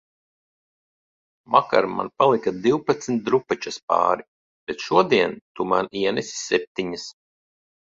Vakar man palika divpadsmit drupačas pāri, bet šodien tu man ienesi septiņas